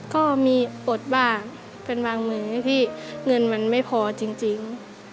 ก็มีอดบ้างเป็นบางมือที่เงินมันไม่พอจริง